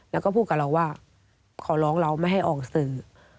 แล้วก็พูดกับเราว่าขอร้องเราไม่ให้ออกสื่อ